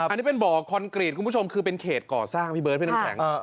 อันนี้เป็นบ่อคอนกรีตคุณผู้ชมคือเป็นเขตก่อสร้างพี่เบิร์ดพี่น้ำแข็ง